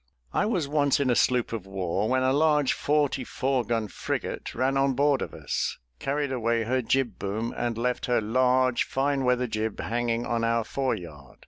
I was once in a sloop of war, when a large forty four gun frigate ran on board of us, carried away her jib boom, and left her large fine weather jib hanging on our foreyard.